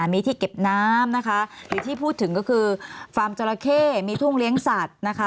มีที่เก็บน้ำนะคะหรือที่พูดถึงก็คือฟาร์มจราเข้มีทุ่งเลี้ยงสัตว์นะคะ